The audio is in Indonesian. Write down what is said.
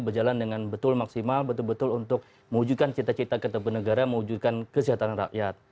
berjalan dengan betul maksimal betul betul untuk mewujudkan cita cita ketepunegara mewujudkan kesejahteraan rakyat